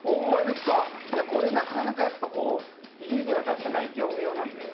これなかなか家では出せない業務用なんで。